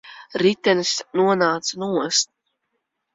Ritenis nonāca nost.